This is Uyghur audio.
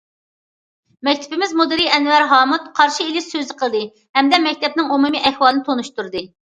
مەكتىپىمىز مۇدىرى ئەنۋەر ھامۇت قارشى ئېلىش سۆزى قىلدى ھەمدە مەكتەپنىڭ ئومۇمىي ئەھۋالىنى تونۇشتۇردى.